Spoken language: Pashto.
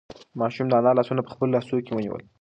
ماشوم د انا لاسونه په خپلو لاسو کې ونیول.